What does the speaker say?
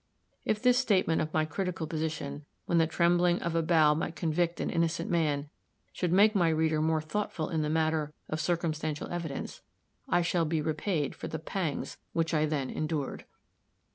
If this statement of my critical position, when the trembling of a bough might convict an innocent man, should make my reader more thoughtful in the matter of circumstantial evidence, I shall be repaid for the pangs which I then endured.